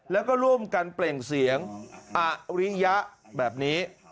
แล้วก็ร่วมกันเปล่งเสียงอริยะแบบนี้